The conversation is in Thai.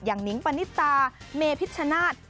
นิ้งปณิตาเมพิชชนาธิ์